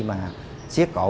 mà giết cổ